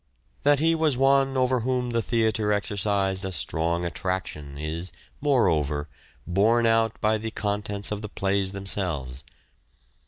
That he was one over whom the theatre exercised a strong attraction is, moreover, borne out by the contents of the plays themselves.